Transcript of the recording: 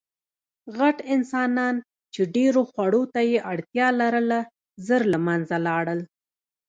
غټ انسانان، چې ډېرو خوړو ته یې اړتیا لرله، ژر له منځه لاړل.